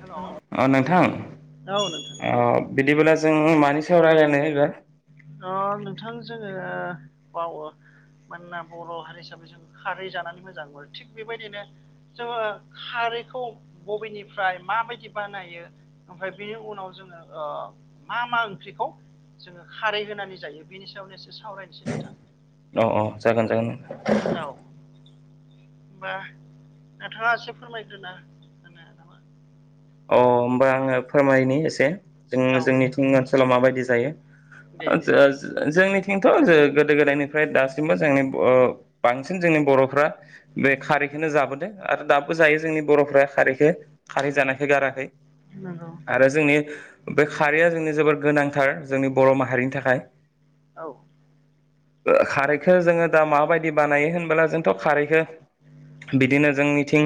हेल' औ अ नोंथां नोंथां अ बिदिबालाय जों मानि रायलायनो होगोन नोंथां जोङो [unintelligible] मानोना बर' हारि हिसाबै जों खारै जानानै मोजां मोनो थिग बेबायदिनो जोङो खार रैखौ बबेनिफ्राय माबायदि बानायो ओमफ्राय बिनि उनाव जोङो ओ मा मा ओंख्रिखौ जोङो खारै होनानै जायो बेनि सायावनो एसे सावरायनोसै नोंथां अ अ जागोन जागोन औ होमबा नोंथाङा एसे फोरमायग्रोना होनो नामा अ होमबा आङो फोरमायनि एसे जों औ दे जोंनिथिं ओनसोलाव माबायदि जायो दे ओ दे जो जो जोंनिथिंथ' गोदो गोदायनिफ्राय दासिमबो जोंनि बर बांसिन जोंनि बर'फ्रा बे खारैखौनो जाबोदों आरो दाबो जायो जोंनि बर'फ्रा खारैखो खारै जानायखो गाराखै नंगौ आरो जोंनि बे खारैया जोंनि जोबोर गोनांथार जोंनि बर' माहारिनि थाखाय औ ओ नंगौ खारैखो जोङो दा मा बायदि दि बानायो होनोमबोला जोंथ' खारैखो बिदिनो जों निथिं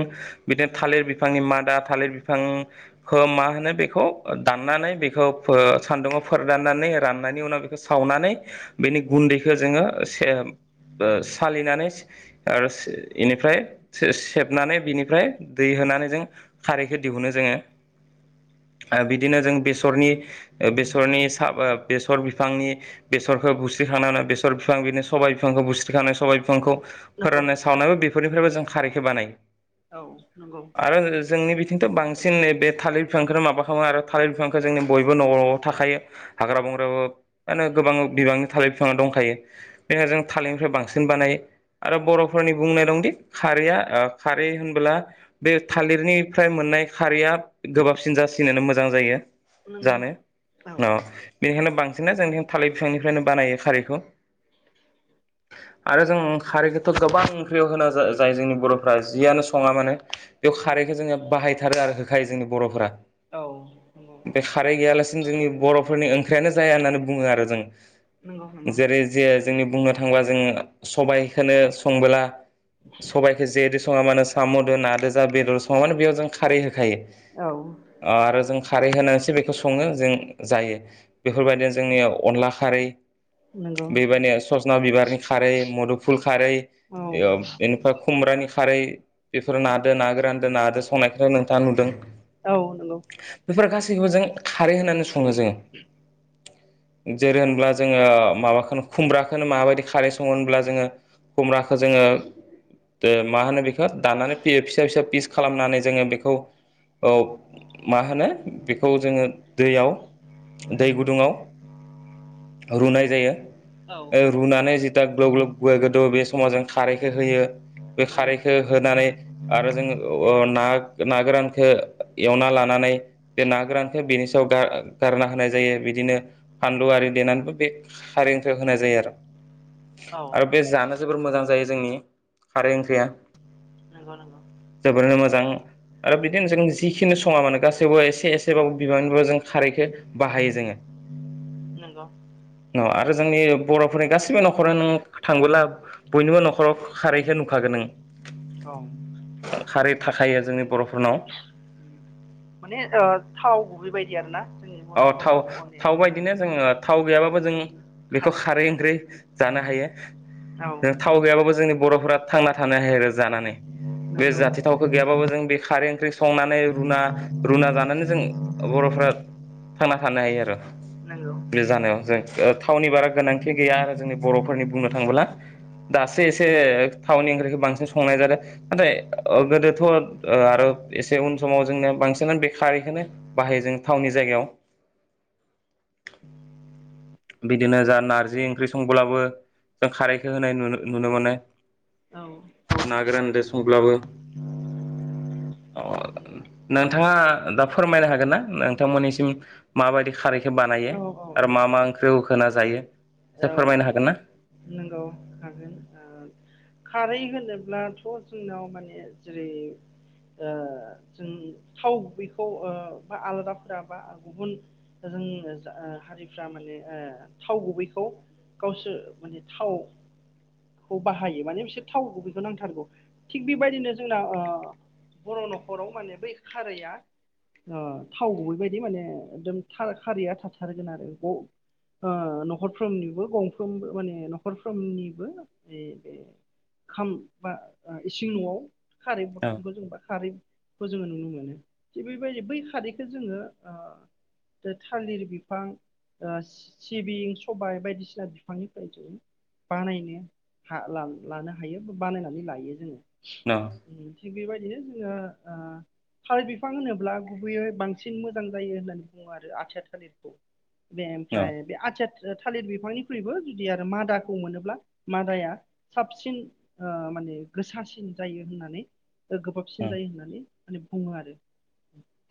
बिदिनो थालिर बिफांनि मादा थालिर बिफां बिफांखौ मा होनो बेखौ दाननानै बेखौ फो सान्दुंङाव फोराननानै रान नि उनाव बेखौ सावनानै बेनि गुन्दैखो जोङो ओ सालिनानै आरो बेनिफ्राय से सेबनानै बिनिफ्राय दै सोनानै जों खारैखो दिहुनो जोङो। ओ बिदिनो जों बेसरनि बेसरनि सा बेसर बिफांनि बेस बेसरखौ बुस्रि खांनानै बेसर बिफां बिनि सबाइ बिफांखौ बुस्रिखांनाय सबाय बिफांखौ नंगौ फोराननाय सावनायबो बेफोरनि फ्रायबो जों खारैखौ बानायो। औ नंगौ। खिन्थु बांसिन नै बे थालिर बिफां खौनो माबा खालामो आरो थालिर बिफांखौ जोंनि बयबो न' न'आव थाखायो हाग्रा बं बंग्रा बाबो मम होनो गोबां बिबांनि थालिर बिफां दंखायो बेनि जों थालिर निफ्राय बांसिन बानायो। आरो बर'फोरनि बुंनाय दंदि खारैया ओ खारै होनबोला बे थालिरनि फ्राय मोननाय खारैया गोबाबसिन जासिनोनो मोजां जायो। नंगौ जानो औ अ बेनिखायनो बांसिन सिनो जोंनि थालिर बिफांनि फ्रायनो बानायो खारैखौ। आरो जों खारै खौथ' गोबां ओंख्रियाव होना जा जायो जोंनि बर'फ्रा जियानो सङा मानो। बेयाव नंगौ खारैखौ जोङो बाहाय थारो आरो होखायो जोंनि बर'फोरा औ नंगौ बे खारै गैया लासिनो जोंनि बर'फोरनि ओंख्रियानो जाया होननानै बुङो आरो जों। नंगौ नंगौ जेरै जे जोंनि बुंनो थाङोबा जोंङो सबायखौ संबोला सबाइखौ जेजों सङा मानो साम'जों नादो जा बेदर सङा माने बेयाव जों खारै हो खायो औ आरो खारै होनानैसो बेखौ सङो जों जायो बेफोर बायदिनो जोंनियाव अनला खारै नंगौ बेबायदि सदना बिबारनि खारै मुदु खारै औ बेनिफ्राय खुमब्रानि खारै बेफोर नो ना गोरान दो ना दो खंनायखौ नोंथाङा नुदों। औ नंगौ। गासै खौबो जों खारै होनानै सङो जोङो। जेरै होनब्ला जोङो माबा खौनो खुमब्रा खौनो माबायदि खारै सङो होनब्ला जोङो खुमब्राखौ जोङो दो मा होनो बेखौ दानानै फिसा फिसा फिस खालामनानै जोङो बेखौ औ मा होनो बेखौ जोङो दैयाव दै गुदुङाव रुनाय जायो। औ रुनानै जिथा ग्लब ग्लब गुवा गोदौ बे समाव जों खारैखौ होयो। बे नंगौ खारैखौ होनानै आरो जों ओ ना ना गोरानखौ एवना लानानै बे ना गोरानखौ बेनि सायाव गार गारना होनाय जायो। बिदिनो फानलु आरि देनानैबो बे खारि निफ्राय होनाय जायो आरो। औ आरो बे जानो जोबोर मोजां जायो जोंनि खारै ओंख्रिया। नंगौ नंगौ जोबोरैनो मोजां। आरो बिदिनो जों जिखिनि सङा मानोे गासैबो एसे एसेबाबो बिबांबो जों खारैखौ बाहायो जों। नंगौ अ आरो जोंनि बर'फोरनि गासिबो न'खर नो थांबोला बयनिबो न'खराव खारैखौ नुखागोन नों। औ। खारै थाखायो जोंनि बर' फोरनाव। माने ओ थाव गुबै बायदि आरो ना? अ थाव थाव बायदिनो जोङो थाव गैयाबाबो जों बेखौ खारैया खारै ओंख्रि जानो हायो। औ जों थाव गैया बाबो जोंनि बर'फोरा थांना थानो हायो आरो जानानै। बे नंगौ जाथि थावखो गैयाबाबो जों बे खारै ओंख्रि संनानै रुना रुना जानानै जों बर'फ्रा थांना थानो हायो आरो। नंगौ बे जानायाव जों ओ थावनि बारा गोनांथि गैया आरो जोंनि बर'फोरनि बुंनो थाङोब्ला। दासो एसे थावनि ओंख्रिखो बांसिन संनाय जादो नाथाय ओ गोदोथ' आरो एसे उन समाव जोंनिया बांसि नानो बे खारि खोनो बाहायो जों थाावनि जायगायाव। बिदिनो जा नारजि ओंख्रि संब्लाबो जों खारैखो होनाय नुनो नुनो मोनो। औ ना गोरानदो संब्लाबो। अ नोंथांआ दा फोरमायनो हागोन ना नोंथांमोननिसिम माबायदि खारैखो बानायो नंगौ औ आरो मा मा नोंथां ओंख ख्रियाव होना जायो औ फोरमायनो हागोन ना? नंगौ हागोन ओ खारै होनोब्लाथ' जोंनाव माने जेरै ओ जों थाव बेैखौ ओ बा आलादाफोरा बा गुबुन जों ओ हारिफ्रा माने ओ थाव गुबैखौ गावसोर माने थावखौ बाहायो माने बिस एसे थाव गुबैखौ बेखौ नांथारगौ थिग बेबायदिनो जोंना ओ बर' न'खराव माने बै खारैया अ थाव गुबैबायदि माने एकदम खार-खारैया थाथारगोन आरो ओ न'खरफ्रोमबो गंफ्रोमबो माने न'खरफ्रोमनिबो बे खाम बा इसिं न'आव खारै बथलखौ जेनबा खारै खौ जोङो नुनो मोनो थिग बेबायदि बै खारैखौ जोङो ओ दा थालिर बिफां ओ सिबिं सबाय बायदिसिना बिफांनिफ्राय जों बानायनो हा ला-लानो हायो बानायनानै लायो जोङो। अ थिग बेबायदिनो जोङो ओ थालिर बिफां होनोब्ला गुबैयै बांसिन मोजां जायो होननानै बुङो आरो आथिया थालिरखौ। बे औ ओमफ्राय बे आथिया ओ थालिर बिफांनिख्रुइबो जुदि आरो मादाखौ मोनोब्ला मादाया साबसिन ओ माने गोसासिन जायो होननानै गोबाबसिन औ जायो होननानै माने बुङो आरो।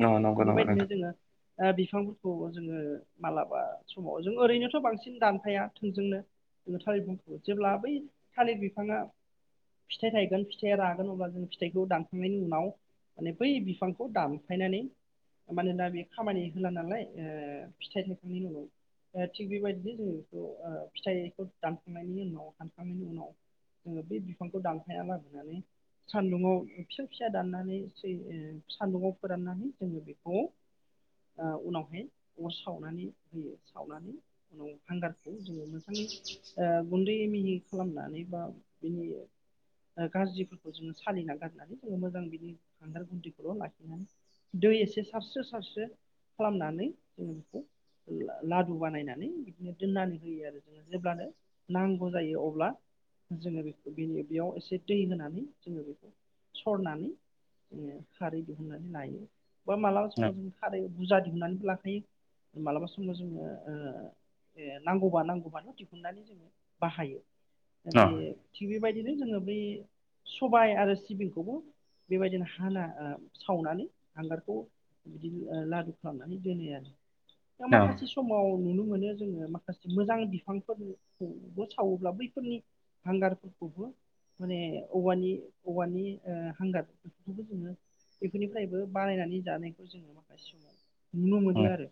नंगौ नंगौ थिग नंगौ बेबायदिनो नोंथां। जोङो ओ बिफांफोरखौ जोङो मालाबा समाव जों ओरैनोथ' बांसिन दानफाया थोंजोंनो जोङो थालिर बंफांखो जेब्ला बै थालिर बिफांआ फिथाइ थायगोन फिथाइया रागोन अब्ला जों फिथाइखौ दानखांनायनि उनाव माने बै बिफांखौ दामफायनानै माने दा बे खामानि होला नालाय ओ फिथाइ थाइखांनायनि उनाव ओ थिग बेबायदिनो जोङो बेखौ ओ फिथाइखौ दानखांनायनि उनाव हानखांनायनि उनाव जोङो बे बिफांखौ दानफायाबा होननानै सान्दुंआव फिसा फिसा दाननानै सै ओ सान्दुंङाव फोराननानै जोङो बेखौ ओ उनावहाय अर सावनानै होयो सावनानै उनाव हांगारखौ जोङो मोजाङै ओ गुन्दै मिहि खालामनानै बा बिनि गाज्रिफोरखौ जोङो सालिना गारनानै जोङो मोजां बिनि हांगार गुन्दैखौल' लाखिनानै दै एसे सारस्रो सारस्रो खालामनानै जोङो बेखौ ला-लादु बानायनानै बिदिनो दोननानै होयो आरो जोङो जेब्लानो नांगौ जायो अब्ला जोङो बेखौ बेनि बेयाव एसे दै होनानै जोङो बेखौ सरनानै जोङो खारै दिहुननानै लायो बा मालाबा न' समाव जों खारै बुरजा दिहुननानैबो लाखायो मालाबा समाव जोङो ओ नांगौबा नांगौबानो' दिहुननानै जोङो बाहायो बे न' थिग बेबायदि बिनो जोङो बै सबाय आरो सिबिंखौबो बेबायदिनो हाना सावनानै हांगारखौ बिदि लादु खालामनानै दोनो आरो दा न' माखासे समाव नुनो मोनो जोङो माखासे मोजां बिफांबो सावोब्ला बैफोरनि हांगारफोरखौबो माने औवानि औवानि हांगार बेफोरखौबो जोङो बेफोरनिफ्रायबो बानायनानै जानायखौ जोङो माखासे समाव नुनो मोनो आरो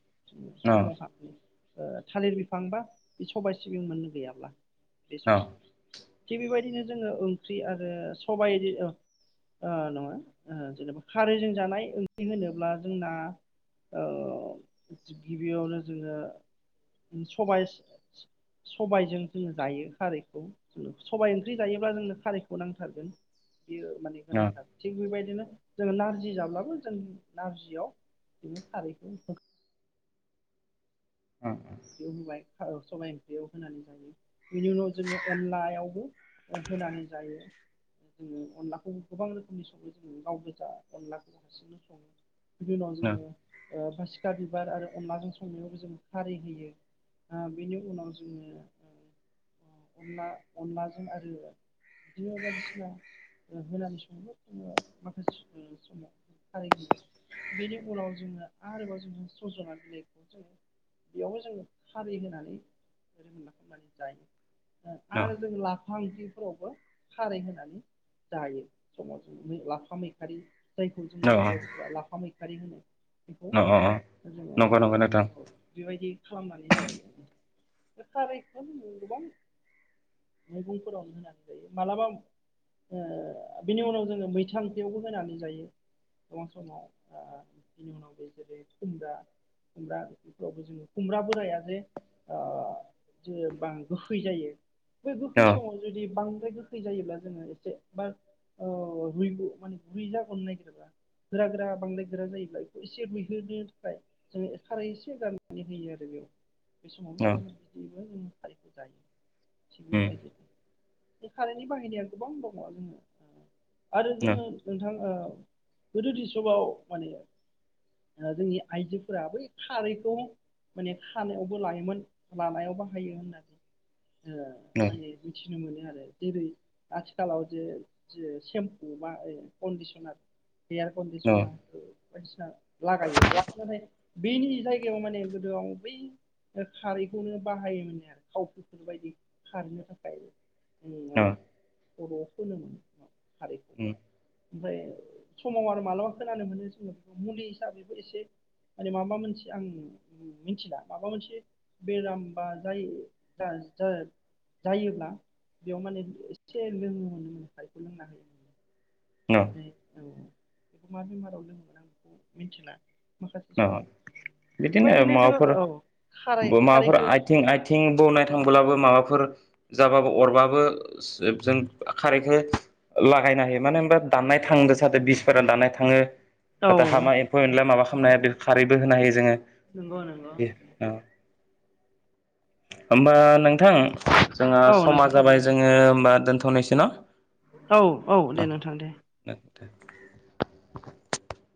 न' समावहा मान थालिर बिफां बा बे सबाय सिबिं मोननो गैयाब्ला बे न' समावहाय थिग बेबायदिनो जोङो ओंख्रि आरो सबाय नङा जेनेबा खारैजों जानाय ओंख्रि होनोब्ला जोंना ओ गिबियावनो जोङो। सबाय सबायजों जोङो जायो खारैखौ। सबाय ओंख्रि जायोब्ला जोंनो खारैखौ नांथारगोन बेयो माने न' गोनांथार थिग बेबायदि। बिदिनो जोङो नारजि जाब्लाबो जों नारजियाव जों खारैखौ हो ओंयाव होबाय सबायाइ ओंख्रियाव होनानै जायो बेनि उनाव जोङो अनलायावबो। होनानै जायो। जोङो अनलाखौ गोबां रोखोमनि सङो जोङो गाव गोजा अनलाखौ हारसिंनो सङो। बिनि उनाव न' जोङो बा सिखा बिबार आरो अनलाजों संनायावबो जों खारै होयो। आ बेनि उनाव जोङो अनला अनलाजों आरो बिदिनो बायदिसिना होनानै समाव जोङो माखासे समाव खाराय होयो बेनि उनाव जोङो आरोबाव जोङो सजना बिलाइखौ जोङो बेयावबो जोङो। खारि होनानै खालामनानै जायो न' आरो जों ला फा ओंख्रिफोरावबो खारै होनानै जायो समाव लाफा मैखारि जायखौ जोंनि बर'फोरा लाफा मैखारि होनो बेखौ अ जोङो नंगौ नंगौ नोंथां औ बेबायदि खालामनानै जायो बे खारायखौ गोबां मैगंफोरावनो होनानै जायो मालाबा ओ बिनि उनाव जोङो मैथा ओंख्रियावबो होनानै जायो गोबां समाव बिनि उनाव बे जेरै खुमब्रा खुमब्रा बेफोरावबो जोङो। खुमब्रा बोराया जे जे बां गोखै जायो। बे गोखै समाव जुदि बां गोखै जायोब्ला जोङो एसेबार रुइगु माने रुै जाहोनो नागिरोबा गोरा गोरा बांद्राय गोरा जायोब्ला बेखौ एसे रुयहोनो थाखाय जोङो खारै एसे गान फलि होयो आरो बेयाव बे समावनो जायगाफोर बिदिबा जोङो खारिखौ जायो। थि बेबायदि बे कारेन्टनि बाहायनाया गोबां दङ जोङो। आरो जोङो नोंथांगोदो दि इसबाव माने जोंनि आइजोफोरा बै खारैखौ। माने खानायावबो लायोमोन लानायाव बाहायो होननानै। माने मिथि बुजनो मोनो आरो जेरै आथिखालाव जे सेम्पु बा कन्दिसनार। एयार न' कन्डिसना बायदिसिना लागायो थिग नाथाय बेनि जायगायाव माने आ बै खारैखौनो बाहायोमोन आरो थावफोरखौनो बायदि खारैनो थाखाय। औ माने खर'आव फुनोमोन खारिखौ न' न' ओमफ्राय समाव आरो मालाबा खोनानो मोनो जोङो बे मुलि हिसाबैबो एसे माने माबा मोनसे आं मिथिला माबा मोनसे बेराम बा जाय जायोब्ला बेयाव माने एसे लोङो मोनो मे हायखौ लोंना होयो आरो औ बेखौ मा बेमाराव लोंङोमोन आं बेखौ मिन्थिला माखासे समाव बिदिनो बेबायदिनो जोङो माबाफोर औ खारै माबाफोर खारैखौ आथि आथिं बौनाय थांब्ला माबा जाबाबो अरबाबो जों खारैखौ लागायनो हायो मानो होनबा दाननाय थांदो सादो बिसफोरा दाननाय थाङो औ जाहाथे हामा एम्फौ एनला माबा खालामनो हाया बे खारैबो होनो हायो जोङो नोंगौ नोंगौ। बे औ होमबा नोंथां जोंहा औ समा नोंथां जाबाय जोङो होनोमबा दोन्थ'नायसै ना औ औ दे नोंथां दे। [unintelligible] [inaudible]